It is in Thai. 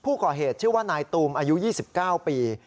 ผู้ก่อเหตุชื่อว่านายตูมอายุ๒๙ปี